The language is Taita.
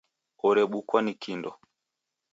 Orebukwa ni kindo.